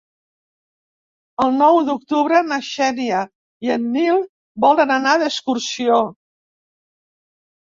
El nou d'octubre na Xènia i en Nil volen anar d'excursió.